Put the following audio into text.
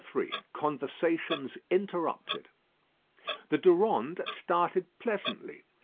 III CONVERSATIONS INTERRUPTED The Durande started pleasantly.